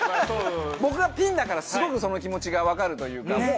僕はピンだからすごくその気持ちが分かるというか。